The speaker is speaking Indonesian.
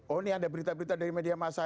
oh ini ada berita berita dari media masa